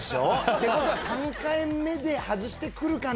てことは３回目で外してくるかな？